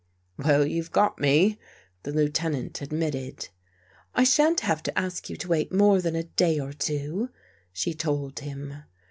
" Well, you've got me," the Lieutenant admitted. " I shan't have to ask you to wait more than a day or two," she told him.